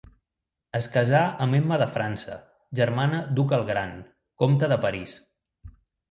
Es casà amb Emma de França, germana d'Hug el Gran, comte de París.